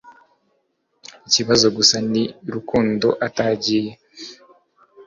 Ikibazo gusa ni rukundo atagiye.